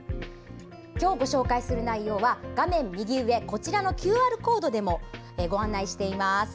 今日ご紹介する内容は画面右上のＱＲコードでもご案内しています。